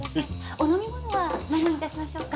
お飲み物は何に致しましょうか？